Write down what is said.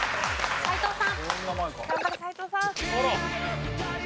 斎藤さん